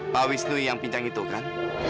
pak wisnu yang pincang itu kan